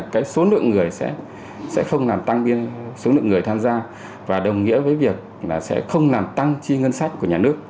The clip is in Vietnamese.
cái số lượng người sẽ không làm tăng số lượng người tham gia và đồng nghĩa với việc là sẽ không làm tăng chi ngân sách của nhà nước